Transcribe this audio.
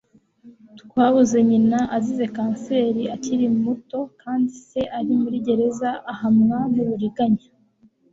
Twabuze nyina azize kanseri akiri muto kandi se ari muri gereza, ahamwa n'uburiganya.